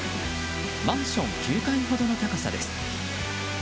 マンション９階ほどの高さです。